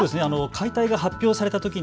解体が発表されたとき